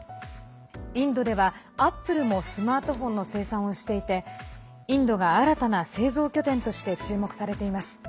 インドではアップルもスマートフォンの生産をしていてインドが新たな製造拠点として注目されています。